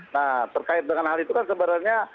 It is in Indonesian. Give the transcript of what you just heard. nah terkait dengan hal itu kan sebenarnya